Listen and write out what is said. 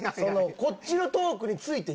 こっちのトークについて言えよ。